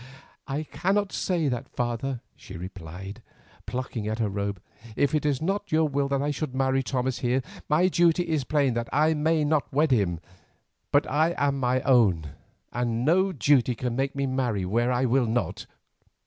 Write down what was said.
"I cannot say that, father," she replied, plucking at her robe. "If it is not your will that I should marry Thomas here, my duty is plain and I may not wed him. But I am my own and no duty can make me marry where I will not.